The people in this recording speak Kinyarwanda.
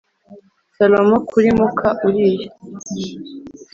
Salomo kuri muka Uriya